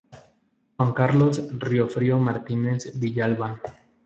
Juan Carlos Riofrío Martínez-Villalba.